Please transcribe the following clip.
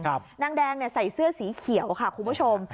นางแดงใส่เสื้อสีเขียวค่ะคุณผู้ชม